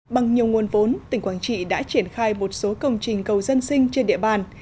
bằng nhiều nguồn vốn tỉnh quảng trị đã triển khai một số công trình cầu dân sinh trên địa bàn